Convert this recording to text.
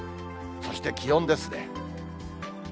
そして気温ですね。